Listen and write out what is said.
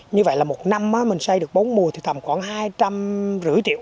như vậy là một năm mình xây được bốn mùa thì tầm khoảng hai trăm linh rưỡi